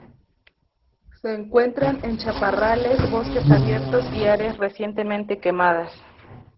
Se encuentran en chaparrales, bosques abiertos y áreas recientemente quemadas.